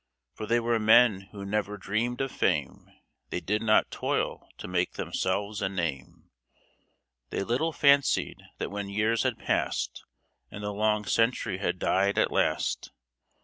For they were men who never dreamed of fame : They did not toil to make themselves a name ; They little fancied that when years had passed, And the long century had died at last.